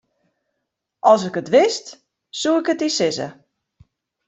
As ik it wist, soe ik it dy sizze.